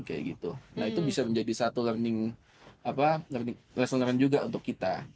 nah itu bisa menjadi satu learning lesson juga untuk kita